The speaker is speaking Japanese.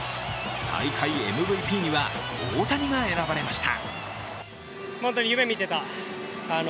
大会ＭＶＰには大谷が選ばれました。